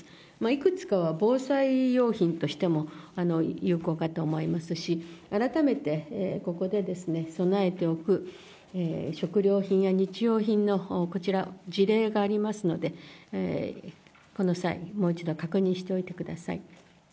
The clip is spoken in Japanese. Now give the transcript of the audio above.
いくつかは防災用品としても有効かと思いますし、改めてここで備えておく食料品や日用品のこちら事例がありますので、この際、もう一度確認しておいてください。